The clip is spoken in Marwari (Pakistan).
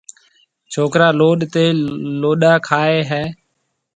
ڇوڪرا لوڏ تي لوڏ کائي هيَ۔